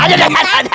aduh aduh aduh aduh